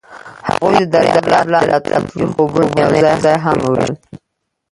هغوی د دریاب لاندې د راتلونکي خوبونه یوځای هم وویشل.